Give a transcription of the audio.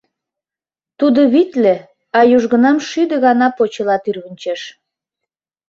Тудо витле, а южгунам шӱдӧ гана почела тӱрвынчеш.